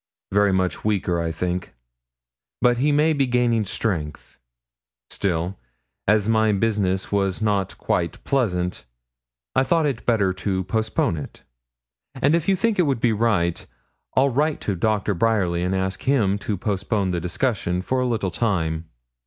'Very much weaker, I think; but he may be gaining strength. Still, as my business was not quite pleasant, I thought it better to postpone it, and if you think it would be right, I'll write to Doctor Bryerly to ask him to postpone the discussion for a little time.'